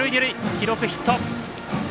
記録ヒット。